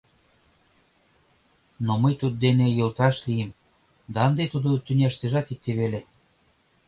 Но мый туддене йолташ лийым, да ынде тудо тӱняштыжат икте веле.